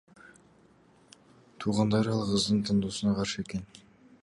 Туугандары ал кыздын тандоосуна каршы экен.